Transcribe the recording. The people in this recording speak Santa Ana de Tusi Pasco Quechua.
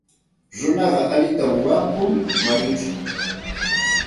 Runaqa allintam wampun mayuchaw.